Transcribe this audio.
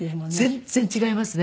全然違いますね